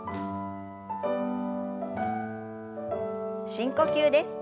深呼吸です。